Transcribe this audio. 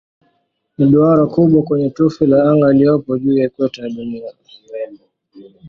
Ni duara kubwa kwenye tufe la anga iliyopo juu ya ikweta ya Dunia.